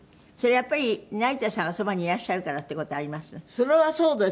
やっぱり成田さんがそばにいらっしゃるからっていう事あります？